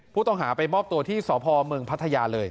ผู้ต้องหาไปมอบตัวที่สพเมืองพัทยาเลย